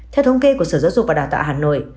theo thống kê của sở giáo dục và đào tạo hà nội